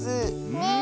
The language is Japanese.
ねえ。